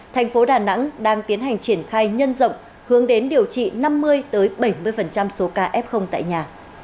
thành phố đà nẵng đang tiến hành triển khai nhân rộng hướng đến điều trị năm mươi bảy mươi số ca f tại nhà